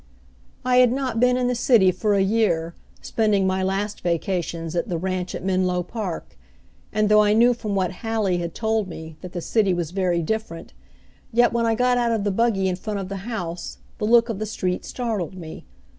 I had not been in the city for a year, spending my last vacations at the ranch at Menlo Park; and though I knew from what Hallie had told me, that the city was very different, yet when I got out of the buggy in front of the house the look of the street startled me.